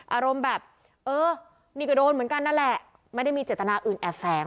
อารมณ์แบบเออนี่ก็โดนเหมือนกันนั่นแหละไม่ได้มีเจตนาอื่นแอบแฝง